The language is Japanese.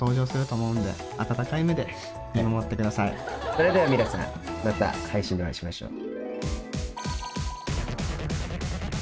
それでは皆さんまた配信でお会いしましょう。